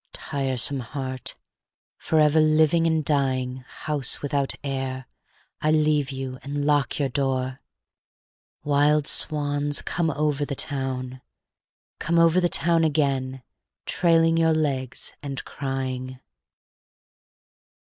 Tiresome heart, forever living and dying, House without air, I leave you and lock your door. Wild swans, come over the town, come over The town again, trailing your legs and crying!